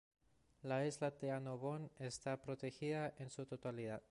La isla de Annobón está protegida en su totalidad.